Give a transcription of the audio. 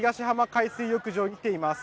海水浴場に来ています。